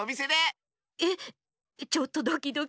えっちょっとドキドキするう。